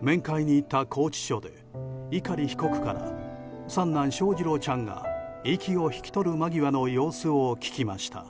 面会に行った拘置所で碇被告から三男・翔士郎ちゃんが息を引き取る間際の様子を聞きました。